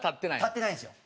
立ってないんですよ。